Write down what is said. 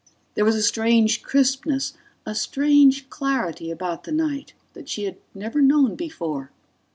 There was a strange crispness, a strange clarity about the night, that she had never known before